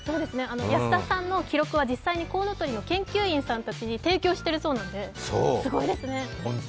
安田さんの記録は実際にコウノトリの研究者さんに提供してるそうなんですごいですね。